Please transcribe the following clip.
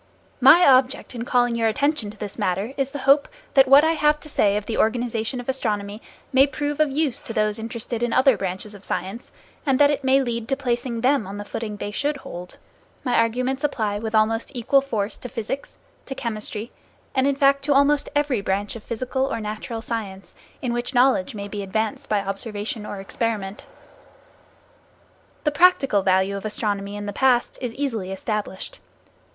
My object in calling your attention to this matter is the hope that what I have to say of the organization of astronomy may prove of use to those interested in other branches of science, and that it may lead to placing them on the footing they should hold. My arguments apply with almost equal force to physics, to chemistry, and in fact to almost every branch of physical or natural science, in which knowledge may be advanced by observation or experiment. The practical value of astronomy in the past is easily established.